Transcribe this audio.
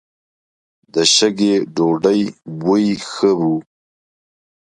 د شګې ډوډۍ بوی ښه و.